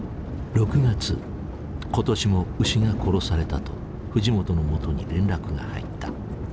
６月今年も牛が殺されたと藤本のもとに連絡が入った。